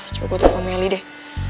coba gue tukang meli deh